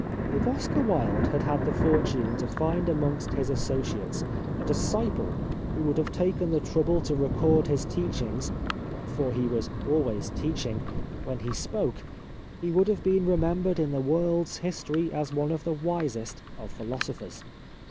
If Oscar Wilde had had the fortune to find amongst his associates a disciple who would have taken the trouble to record his teachings — for he was always teaching — when he spoke, he would have been remembered in the world's history as one of the wisest of philosophers.